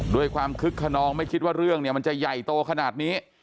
ด้วยความคึกขนองไม่คิดว่าเรื่องเนี่ยมันจะใหญ่โตขนาดนี้